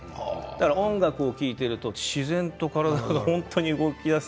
音楽を聴いていると自然と体が動きだす。